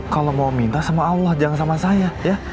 kalau mau minta sama allah jangan sama saya ya